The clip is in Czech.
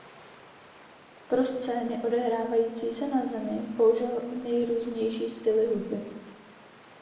Pro scény odehrávající se na Zemi použil nejrůznější styly hudby.